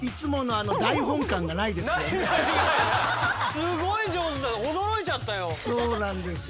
すごい上手で驚いちゃったよ。